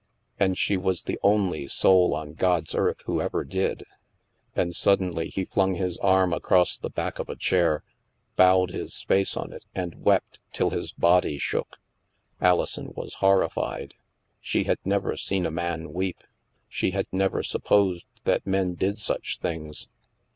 And she was the only soul on God's earth who ever did." And suddenly he flung his arm across the back of a chair, bowed his face on it, and wept till his body shook. Alison was horrified. She had never seen a man weep. She had never supposed that men did such things.